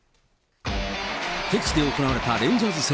敵地で行われたレンジャーズ戦。